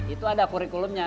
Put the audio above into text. itu ada kurikulumnya